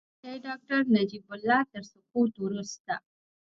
د ډاکټر نجیب الله تر سقوط وروسته.